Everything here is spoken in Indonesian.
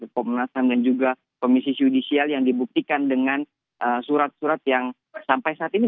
komnas ham dan juga komisi judisial yang dibuktikan dengan surat surat yang sampai saat ini